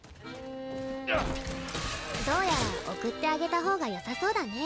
どうやら送ってあげた方がよさそうだね。